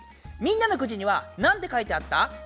みんなのくじにはなんて書いてあった？